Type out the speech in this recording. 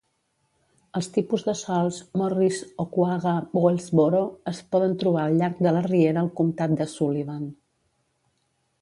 Els tipus de sòls Morris-Oquaga-Wellsboro es poden trobar al llarg de la riera al comtat de Sullivan.